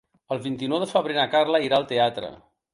El vint-i-nou de febrer na Carla irà al teatre.